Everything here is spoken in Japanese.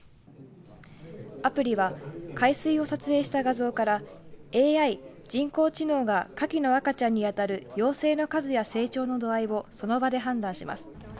アプリは海水を撮影した画像からＡＩ、人工知能がかきの赤ちゃんに当たる幼生の数や成長の度合いをその場で判断します。